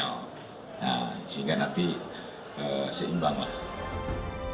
nah sehingga nanti seimbang lah